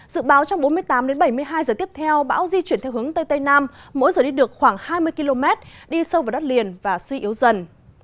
dự báo trong bốn mươi tám đến bảy mươi hai giờ tiếp theo bão di chuyển theo hướng tây tây nam mỗi giờ đi được khoảng hai mươi km đi sâu vào đất liền và suy yếu dần